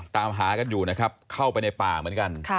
ตามหากันอยู่นะครับเข้าไปในป่าเหมือนกัน